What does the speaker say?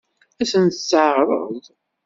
Ad sen-tt-teɛṛeḍ?